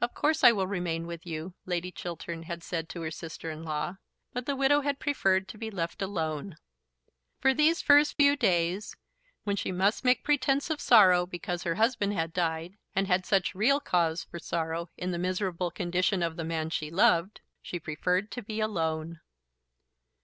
"Of course I will remain with you," Lady Chiltern had said to her sister in law; but the widow had preferred to be left alone. For these first few days, when she must make pretence of sorrow because her husband had died; and had such real cause for sorrow in the miserable condition of the man she loved, she preferred to be alone.